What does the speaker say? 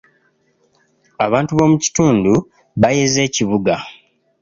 Abantu b'omu kitundu baayeze ekibuga.